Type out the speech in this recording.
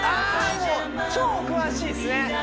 もう超お詳しいっすね